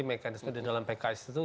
mekanisme di dalam pks itu